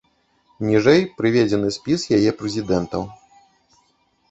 Ніжэй прыведзены спіс яе прэзідэнтаў.